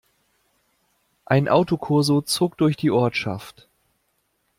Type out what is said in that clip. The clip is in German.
Ein Autokorso zog durch die Ortschaft.